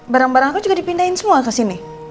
barang barang aku juga dipindahin semua ke sini